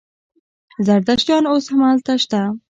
زردشتیان اوس هم هلته شته.